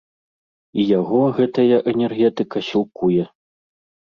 І яго гэтая энергетыка сілкуе.